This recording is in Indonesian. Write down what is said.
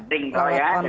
ring tol ya